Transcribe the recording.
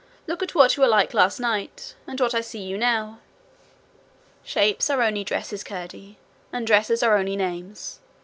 Look at what you were like last night, and what I see you now!' 'Shapes are only dresses, Curdie, and dresses are only names.